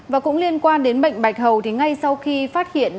và cũng liên quan đến bệnh bạch hầu thì ngay sau khi phát hiện